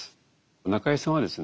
中井さんはですね